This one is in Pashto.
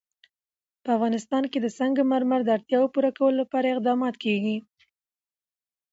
په افغانستان کې د سنگ مرمر د اړتیاوو پوره کولو لپاره اقدامات کېږي.